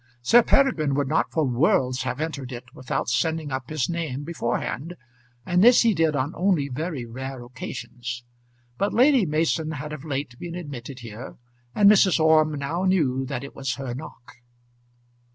Sir Peregrine would not for worlds have entered it without sending up his name beforehand, and this he did on only very rare occasions. But Lady Mason had of late been admitted here, and Mrs. Orme now knew that it was her knock.